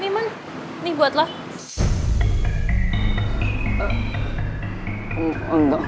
nih man nih buat lo